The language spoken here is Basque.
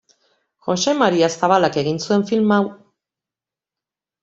Jose Maria Zabalak egin zuen film hau.